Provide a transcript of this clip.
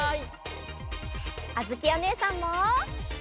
あづきおねえさんも！